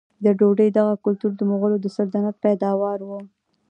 د ډوډۍ دغه کلتور د مغولو د سلطنت پیداوار و.